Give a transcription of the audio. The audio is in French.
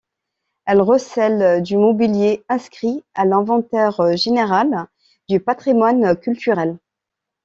Elle recèle du mobiler inscrits à l'Inventaire général du patrimoine culturel.